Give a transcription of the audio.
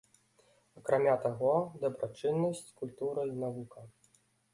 Акрамя таго, дабрачыннасць, культура і навука.